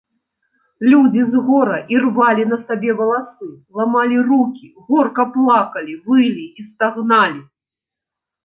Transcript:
Людзі з гора ірвалі на сабе валасы, ламалі рукі, горка плакалі, вылі і стагналі.